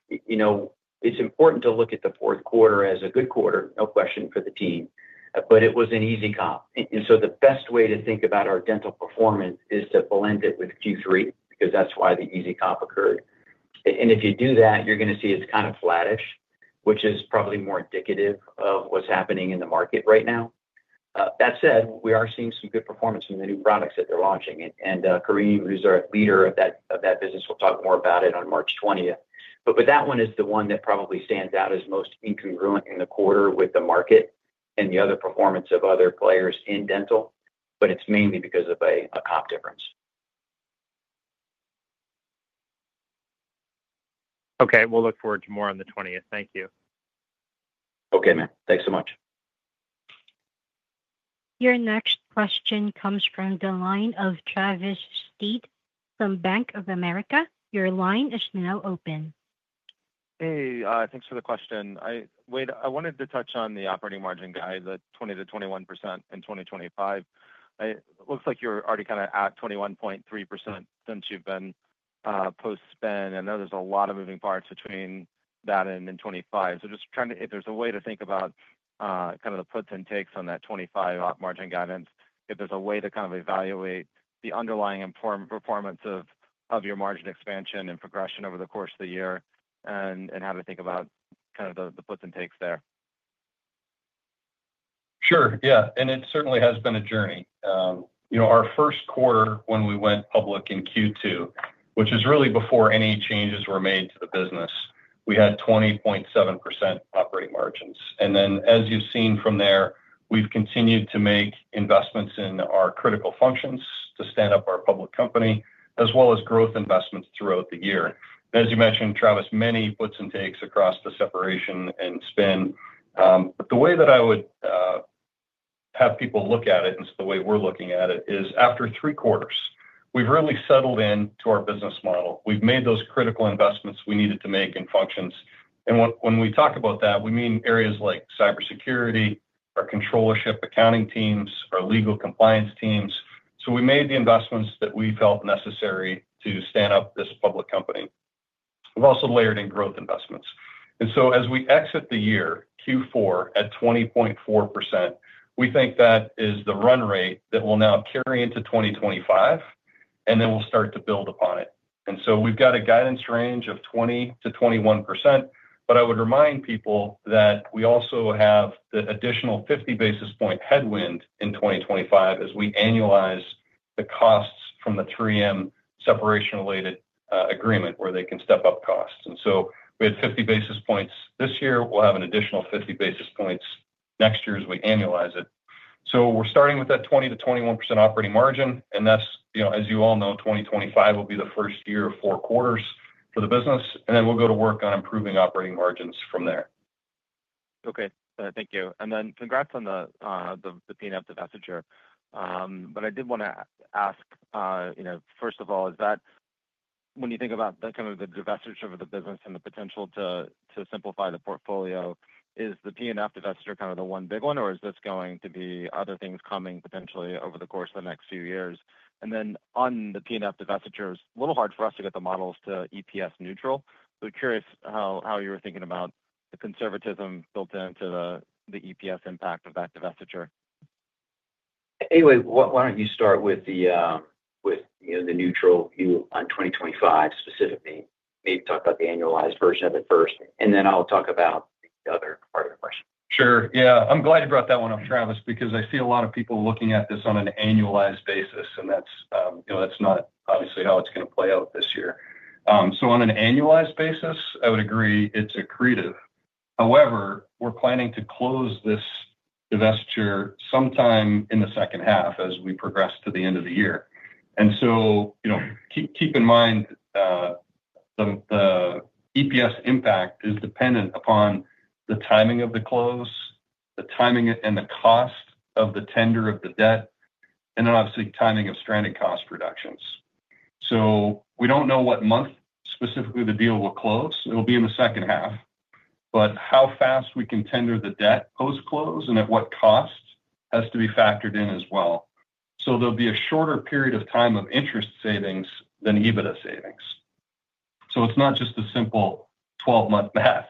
it's important to look at the fourth quarter as a good quarter, no question for the team. It was an easy comp. And so the best way to think about our Dental performance is to blend it with Q3 because that's why the easy comp occurred. And if you do that, you're going to see it's kind of flattish, which is probably more indicative of what's happening in the market right now. That said, we are seeing some good performance in the new products that they're launching. And Karim, who's our leader of that business, will talk more about it on March 20th. But that one is the one that probably stands out as most incongruent in the quarter with the market and the other performance of other players in Dental, but it's mainly because of a comp difference. Okay. We'll look forward to more on the 20th. Thank you. Okay, man. Thanks so much. Your next question comes from the line of Travis Steed from Bank of America. Your line is now open. Hey, thanks for the question. Wayde, I wanted to touch on the operating margin guide, the 20%-21% in 2025. It looks like you're already kind of at 21.3% since you've been post-spin. I know there's a lot of moving parts between that and in 2025. So just trying to, if there's a way to think about kind of the puts and takes on that 2025 margin guidance, if there's a way to kind of evaluate the underlying performance of your margin expansion and progression over the course of the year and how to think about kind of the puts and takes there. Sure. Yeah, and it certainly has been a journey. Our first quarter when we went public in Q2, which is really before any changes were made to the business, we had 20.7% operating margins. And then, as you've seen from there, we've continued to make investments in our critical functions to stand up our public company, as well as growth investments throughout the year. As you mentioned, Travis, many puts and takes across the separation and spin. But the way that I would have people look at it, and it's the way we're looking at it, is after three quarters, we've really settled into our business model. We've made those critical investments we needed to make in functions. And when we talk about that, we mean areas like cybersecurity, our controllership, accounting teams, our legal compliance teams. So we made the investments that we felt necessary to stand up this public company. We've also layered in growth investments. And so, as we exit the year, Q4 at 20.4%, we think that is the run rate that will now carry into 2025, and then we'll start to build upon it. And so we've got a guidance range of 20%-21%, but I would remind people that we also have the additional 50 basis point headwind in 2025 as we annualize the costs from the 3M separation-related agreement where they can step up costs. And so we had 50 basis points this year. We'll have an additional 50 basis points next year as we annualize it. So we're starting with that 20%-21% operating margin, and as you all know, 2025 will be the first year of four quarters for the business, and then we'll go to work on improving operating margins from there. Okay. Thank you. And then congrats on the P&F divestiture. But I did want to ask, first of all, is that when you think about kind of the divestiture of the business and the potential to simplify the portfolio, is the P&F divestiture kind of the one big one, or is this going to be other things coming potentially over the course of the next few years? And then on the P&F divestiture, it's a little hard for us to get the models to EPS neutral. So curious how you were thinking about the conservatism built into the EPS impact of that divestiture. Anyway, why don't you start with the neutral view on 2025 specifically? Maybe talk about the annualized version of it first, and then I'll talk about the other part of the question. Sure. Yeah. I'm glad you brought that one up, Travis, because I see a lot of people looking at this on an annualized basis, and that's not obviously how it's going to play out this year, so on an annualized basis, I would agree it's accretive. However, we're planning to close this divestiture sometime in the second half as we progress to the end of the year, and so keep in mind the EPS impact is dependent upon the timing of the close, the timing and the cost of the tender of the debt, and then obviously timing of stranded cost reductions, so we don't know what month specifically the deal will close. It'll be in the second half, but how fast we can tender the debt post-close and at what cost has to be factored in as well. There'll be a shorter period of time of interest savings than EBITDA savings. So it's not just a simple 12-month math,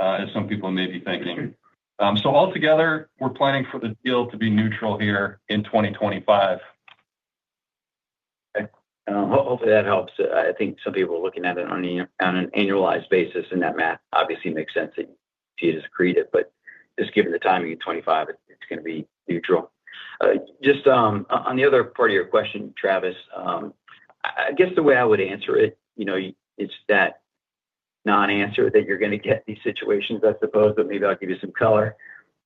as some people may be thinking. So altogether, we're planning for the deal to be neutral here in 2025. Hopefully, that helps. I think some people are looking at it on an annualized basis, and that math obviously makes sense that you just created it. But just given the timing in 2025, it's going to be neutral. Just on the other part of your question, Travis, I guess the way I would answer it, it's that non-answer that you're going to get these situations, I suppose, but maybe I'll give you some color.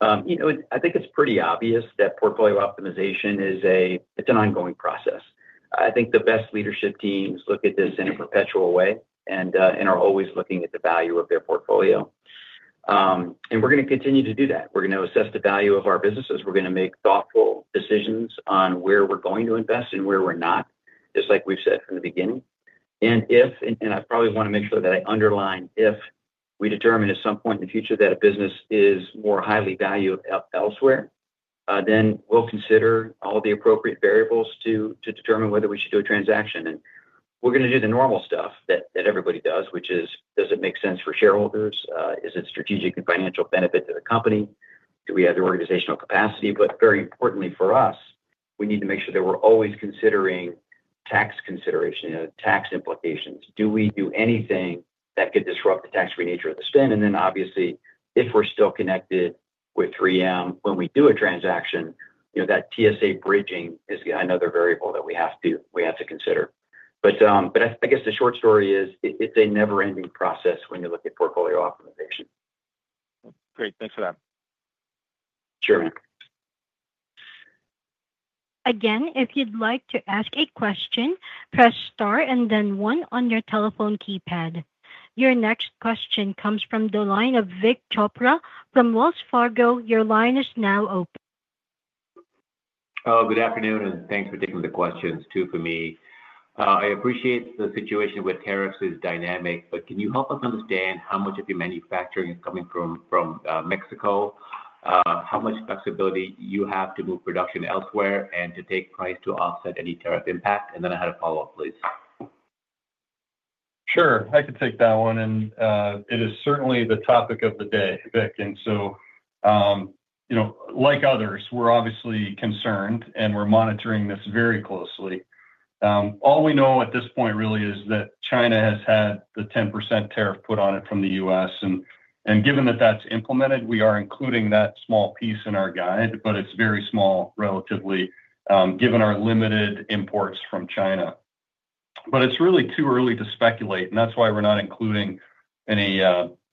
I think it's pretty obvious that portfolio optimization is an ongoing process. I think the best leadership teams look at this in a perpetual way and are always looking at the value of their portfolio. And we're going to continue to do that. We're going to assess the value of our businesses. We're going to make thoughtful decisions on where we're going to invest and where we're not, just like we've said from the beginning. And I probably want to make sure that I underline if we determine at some point in the future that a business is more highly valued elsewhere, then we'll consider all the appropriate variables to determine whether we should do a transaction. And we're going to do the normal stuff that everybody does, which is, does it make sense for shareholders? Is it strategic and financial benefit to the company? Do we have the organizational capacity? But very importantly for us, we need to make sure that we're always considering tax considerations and tax implications. Do we do anything that could disrupt the tax-free nature of the spin? And then obviously, if we're still connected with 3M, when we do a transaction, that TSA bridging is another variable that we have to consider. But I guess the short story is it's a never-ending process when you look at portfolio optimization. Great. Thanks for that. Sure, man. Again, if you'd like to ask a question, press star and then one on your telephone keypad. Your next question comes from the line of Vik Chopra from Wells Fargo. Your line is now open. Good afternoon, and thanks for taking the questions too for me. I appreciate the situation with tariffs is dynamic, but can you help us understand how much of your manufacturing is coming from Mexico? How much flexibility you have to move production elsewhere and to take price to offset any tariff impact? And then I had a follow-up, please. Sure. I can take that one. It is certainly the topic of the day, Vik. So, like others, we're obviously concerned, and we're monitoring this very closely. All we know at this point really is that China has had the 10% tariff put on it from the U.S. Given that that's implemented, we are including that small piece in our guide, but it's very small relatively given our limited imports from China. It's really too early to speculate, and that's why we're not including any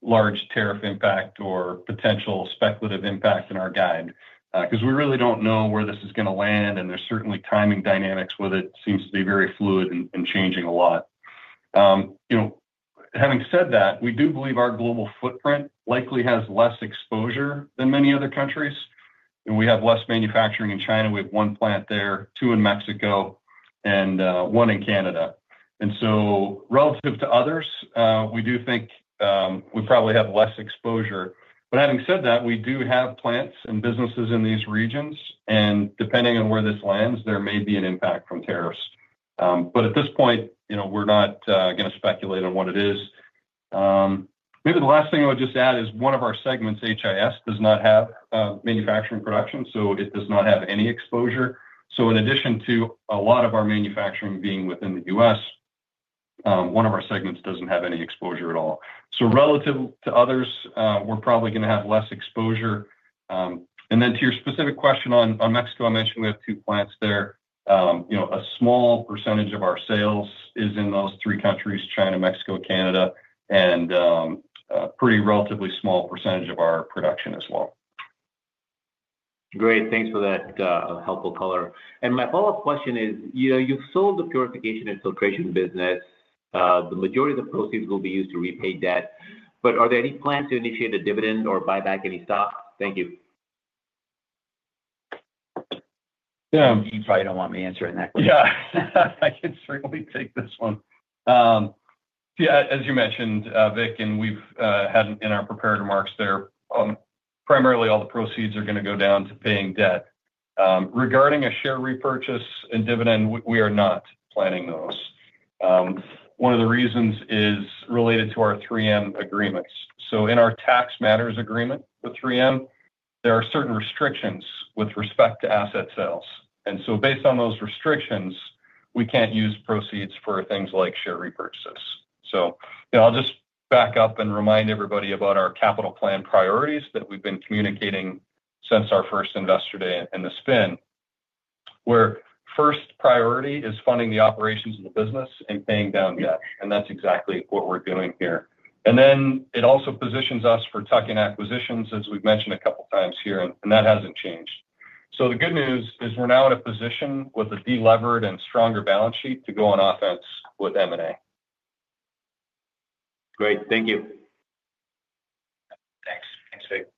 large tariff impact or potential speculative impact in our guide because we really don't know where this is going to land, and there's certainly timing dynamics with it. It seems to be very fluid and changing a lot. Having said that, we do believe our global footprint likely has less exposure than many other countries. We have less manufacturing in China. We have one plant there, two in Mexico, and one in Canada, and so relative to others, we do think we probably have less exposure, but having said that, we do have plants and businesses in these regions, and depending on where this lands, there may be an impact from tariffs, but at this point, we're not going to speculate on what it is. Maybe the last thing I would just add is one of our segments, HIS, does not have manufacturing production, so it does not have any exposure, so in addition to a lot of our manufacturing being within the U.S., one of our segments doesn't have any exposure at all, so relative to others, we're probably going to have less exposure, and then to your specific question on Mexico, I mentioned we have two plants there. A small percentage of our sales is in those three countries, China, Mexico, Canada, and a pretty relatively small percentage of our production as well. Great. Thanks for that helpful color. And my follow-up question is, you've sold the Purification and Filtration business. The majority of the proceeds will be used to repay debt. But are there any plans to initiate a dividend or buy back any stock? Thank you. Yeah. You probably don't want me answering that question. Yeah. I can certainly take this one. Yeah. As you mentioned, Vik, and we've had in our prepared remarks there, primarily all the proceeds are going to go down to paying debt. Regarding a share repurchase and dividend, we are not planning those. One of the reasons is related to our 3M agreements. So in our Tax Matters Agreement with 3M, there are certain restrictions with respect to asset sales. And so based on those restrictions, we can't use proceeds for things like share repurchases. So I'll just back up and remind everybody about our capital plan priorities that we've been communicating since our first Investor Day in the spin, where first priority is funding the operations of the business and paying down debt. And that's exactly what we're doing here. And then it also positions us for tuck-in acquisitions, as we've mentioned a couple of times here, and that hasn't changed. So the good news is we're now in a position with a delevered and stronger balance sheet to go on offense with M&A. Great. Thank you. Thanks. Thanks, Vik.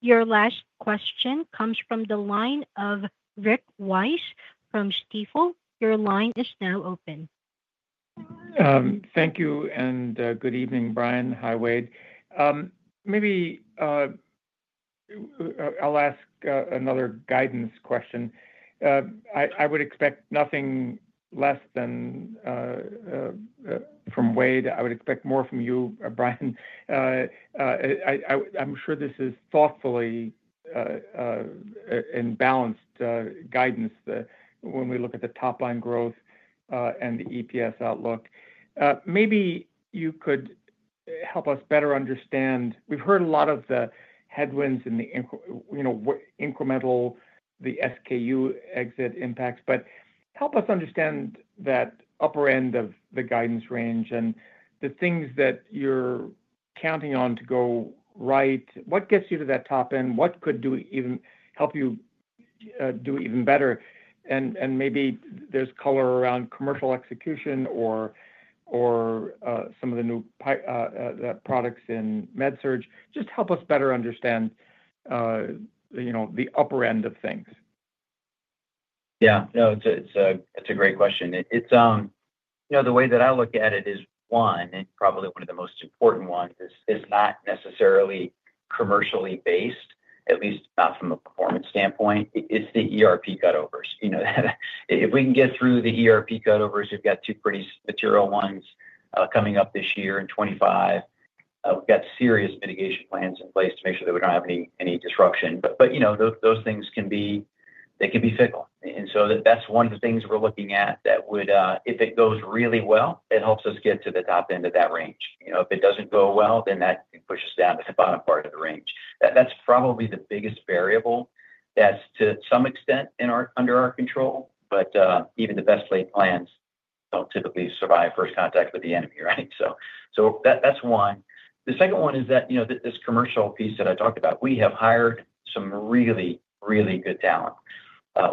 Your last question comes from the line of Rick Wise from Stifel. Your line is now open. Thank you. And good evening, Bryan. Hi, Wayde. Maybe I'll ask another guidance question. I would expect nothing less than from Wayde. I would expect more from you, Bryan. I'm sure this is thoughtfully and balanced guidance when we look at the top-line growth and the EPS outlook. Maybe you could help us better understand. We've heard a lot of the headwinds in the incremental, the SKU exit impacts, but help us understand that upper end of the guidance range and the things that you're counting on to go right. What gets you to that top end? What could help you do even better? And maybe there's color around commercial execution or some of the new products in MedSurg. Just help us better understand the upper end of things. Yeah. No, it's a great question. The way that I look at it is one, and probably one of the most important ones is not necessarily commercially based, at least not from a performance standpoint. It's the ERP cutovers. If we can get through the ERP cutovers, we've got two pretty material ones coming up this year in 2025. We've got serious mitigation plans in place to make sure that we don't have any disruption. But those things can be fickle, and so that's one of the things we're looking at that would, if it goes really well, it helps us get to the top end of that range. If it doesn't go well, then that pushes down to the bottom part of the range. That's probably the biggest variable that's to some extent under our control, but even the best-laid plans don't typically survive first contact with the enemy, right, so that's one. The second one is that this commercial piece that I talked about, we have hired some really, really good talent.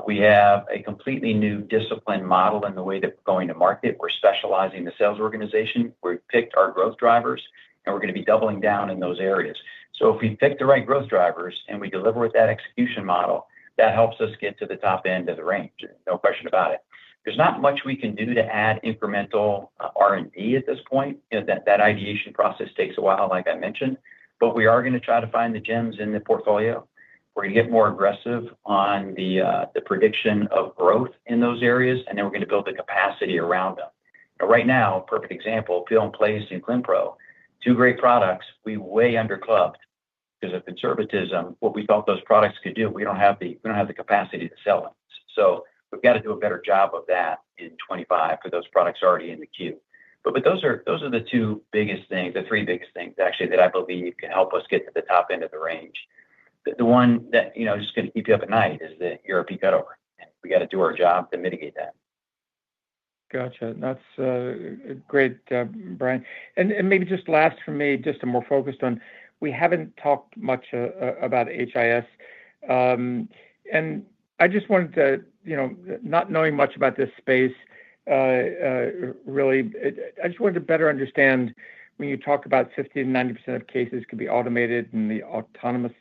We have a completely new discipline model in the way that we're going to market. We're specializing the sales organization. We picked our growth drivers, and we're going to be doubling down in those areas. So if we pick the right growth drivers and we deliver with that execution model, that helps us get to the top end of the range. No question about it. There's not much we can do to add incremental R&D at this point. That ideation process takes a while, like I mentioned, but we are going to try to find the gems in the portfolio. We're going to get more aggressive on the prediction of growth in those areas, and then we're going to build the capacity around them. Right now, perfect example, Peel and Place and Clinpro. Two great products. We way underclubbed because of conservatism, what we thought those products could do. We don't have the capacity to sell them. So we've got to do a better job of that in 2025 for those products already in the queue. But those are the two biggest things, the three biggest things, actually, that I believe can help us get to the top end of the range. The one that's going to keep you up at night is the ERP cutover. We got to do our job to mitigate that. Gotcha. That's great, Bryan. And maybe just last for me, just more focused on we haven't talked much about HIS. And I just wanted to, not knowing much about this space, really, I just wanted to better understand when you talk about 50% to 90% of cases could be automated and the autonomous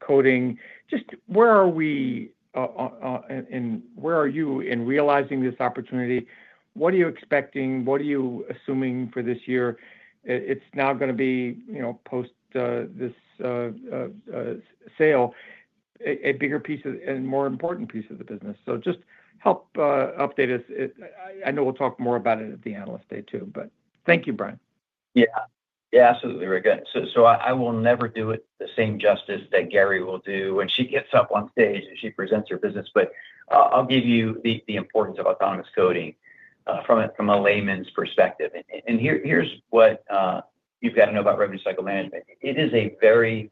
coding. Just where are we and where are you in realizing this opportunity? What are you expecting? What are you assuming for this year? It's now going to be post this sale, a bigger piece and more important piece of the business. So just help update us. I know we'll talk more about it at the Analyst Day too, but thank you, Bryan. Yeah. Yeah, absolutely. We're good. So I will never do it the same justice that Garri will do when she gets up on stage and she presents her business, but I'll give you the importance of autonomous coding from a layman's perspective. Here's what you've got to know about revenue cycle management. It is a very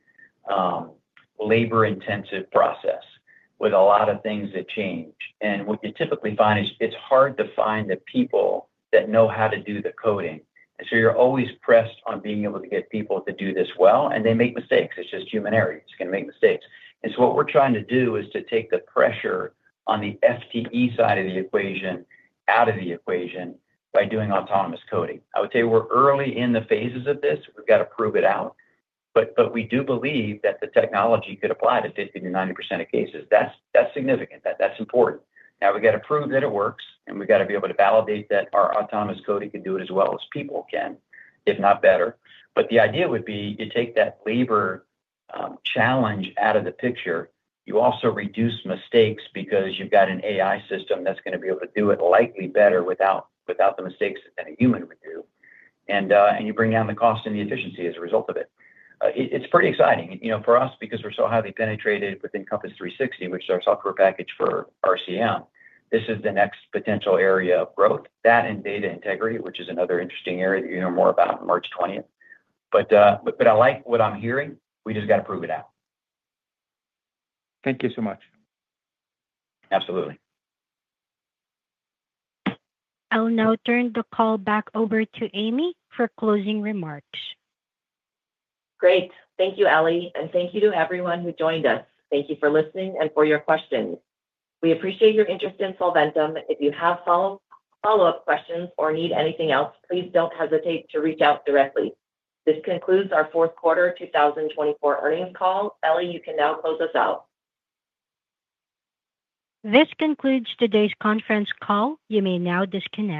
labor-intensive process with a lot of things that change. What you typically find is it's hard to find the people that know how to do the coding. So you're always pressed on being able to get people to do this well, and they make mistakes. It's just human errors. It's going to make mistakes. So what we're trying to do is to take the pressure on the FTE side of the equation out of the equation by doing autonomous coding. I would say we're early in the phases of this. We've got to prove it out. But we do believe that the technology could apply to 50%-90% of cases. That's significant. That's important. Now we got to prove that it works, and we got to be able to validate that our autonomous coding can do it as well as people can, if not better. But the idea would be you take that labor challenge out of the picture. You also reduce mistakes because you've got an AI system that's going to be able to do it likely better without the mistakes that a human would do. And you bring down the cost and the efficiency as a result of it. It's pretty exciting for us because we're so highly penetrated within Encompass 360, which is our software package for RCM. This is the next potential area of growth. That and data integrity, which is another interesting area that you hear more about March 20th. But I like what I'm hearing. We just got to prove it out. Thank you so much. Absolutely. I'll now turn the call back over to Amy for closing remarks. Great. Thank you, Ellie. And thank you to everyone who joined us. Thank you for listening and for your questions. We appreciate your interest in Solventum. If you have follow-up questions or need anything else, please don't hesitate to reach out directly. This concludes our fourth quarter 2024 earnings call. Ellie, you can now close us out. This concludes today's conference call. You may now disconnect.